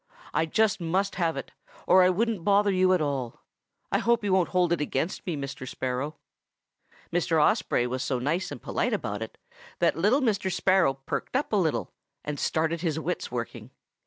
I just must have it, or I wouldn't bother you at all. I hope you won't hold it against me, Mr. Sparrow.' "Mr. Osprey was so nice and polite about it that little Mr. Sparrow perked up a little and started his wits working.